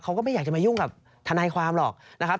เขาก็ไม่อยากจะมายุ่งกับทนายความหรอกนะครับ